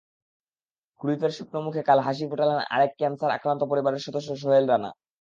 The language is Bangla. ক্রুইফের শুকনো মুখে কাল হাসি ফোটালেন আরেক ক্যানসার আক্রান্ত পরিবারের সদস্য সোহেল রানা।